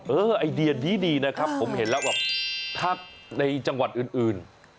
ไอเดียดีนะครับผมเห็นแล้วแบบถ้าในจังหวัดอื่น